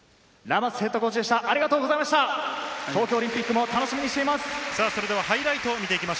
東京オリンピックも楽しみにしています。